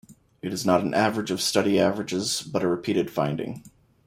It is not an average of study averages but a repeated finding.